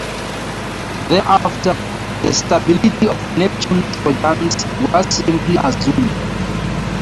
Thereafter, the stability of Neptune trojans was simply assumed.